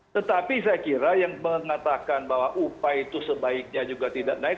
tetapi saya kira yang mengatakan bahwa upah itu sebaiknya juga tidak naik